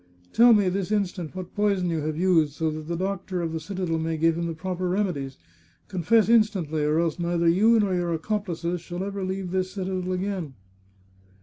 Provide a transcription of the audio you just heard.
... Tell me, this in stant, what poison you have used, so that the doctor of the citadel may give him the proper remedies! Confess in stantly, or else neither you nor your accomplices shall ever leave this citadel again."